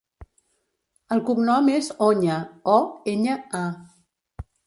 El cognom és Oña: o, enya, a.